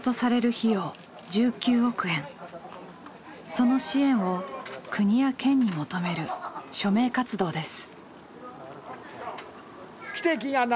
その支援を国や県に求める署名活動です。